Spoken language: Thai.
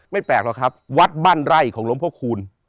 ไม่แปลกหรอกครับวัดบ้านไร่ของลมโพธิคูณ